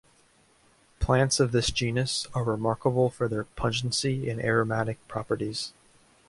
Plants of this genus are remarkable for their pungency and aromatic properties.